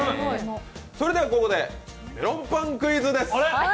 それではここでメロンパンクイズです。